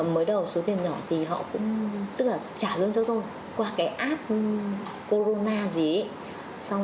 mới đầu số tiền nhỏ thì họ cũng tức là trả luôn cho tôi qua cái app corona gì ấy